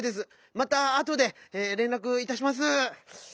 またあとでれんらくいたします。